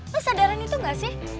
lo sadaran itu gak sih